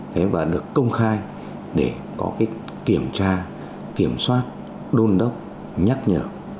thế và được công khai để có cái kiểm tra kiểm soát đôn đốc nhắc nhở